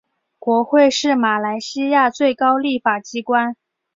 国会是马来西亚最高立法机关。